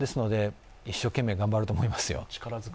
一生懸命頑張ると思いますよ。